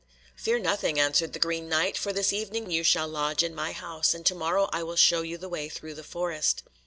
"Fear nothing," answered the Green Knight, "for this evening you shall lodge in my house, and to morrow I will show you the way through the forest."